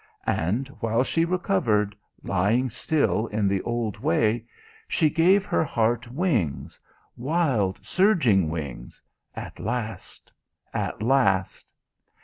And while she recovered, lying still in the old way, she gave her heart wings wild, surging wings at last, at last.